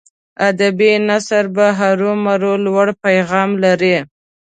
ادبي نثر به هرو مرو لوړ پیغام لري.